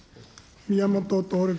宮本徹君。